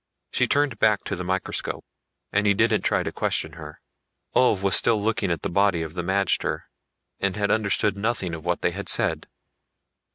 She turned back to the microscope, and he didn't try to question her. Ulv was still looking at the body of the magter and had understood nothing of what they had said.